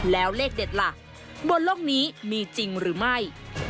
แล้วเลขเด็ดล่ะบนโลกนี้มีจริงหรือไม่